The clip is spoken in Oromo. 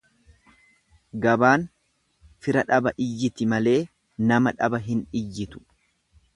Gabaan fira dhaba iyyiti malee nama dhaba hin iyyitu.